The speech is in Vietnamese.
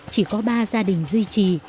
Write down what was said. chỉ có ba gia đình duy trì